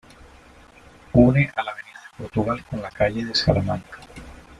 Une la avenida de Portugal con la calle de Salamanca.